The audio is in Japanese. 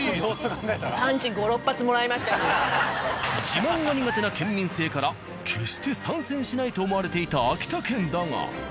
自慢が苦手な県民性から決して参戦しないと思われていた秋田県だが。